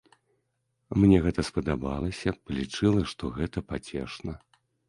Мне гэта спадабалася, палічыла, што гэта пацешна.